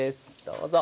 どうぞ。